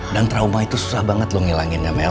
dan trauma itu susah banget lo ngilanginnya mel